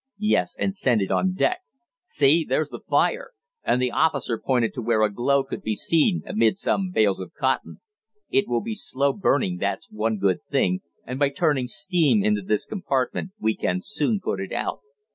"Yes, and send it on deck. See, there's the fire!" and the officer pointed to where a glow could be seen amid some bales of cotton. "It will be slow burning, that's one good thing, and by turning steam into this compartment we can soon put it out."